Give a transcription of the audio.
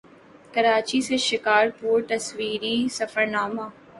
کراچی سے شکارپور تصویری سفرنامہ